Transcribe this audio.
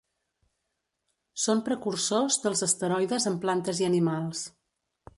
Són precursors dels esteroides en plantes i animals.